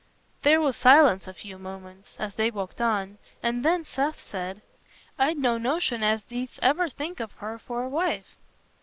There was silence a few moments as they walked on, and then Seth said, "I'd no notion as thee'dst ever think of her for a wife."